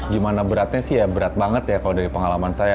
gimana beratnya sih ya berat banget ya kalau dari pengalaman saya